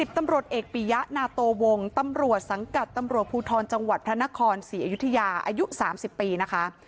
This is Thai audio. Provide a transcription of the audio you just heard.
ตำรวจเอกปียะนาโตวงตำรวจสังกัดตำรวจภูทรจังหวัดพระนครศรีอยุธยาอายุ๓๐ปีนะคะ